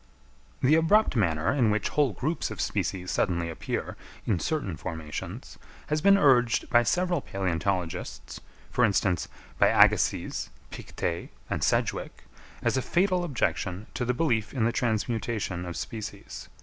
_ The abrupt manner in which whole groups of species suddenly appear in certain formations, has been urged by several palæontologists—for instance, by Agassiz, Pictet, and Sedgwick, as a fatal objection to the belief in the transmutation of species.